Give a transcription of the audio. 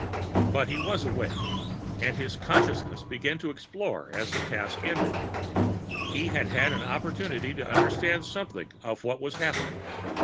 But he was awake. And his consciousness began to explore as the task ended. He had had an opportunity to understand something of what was happening.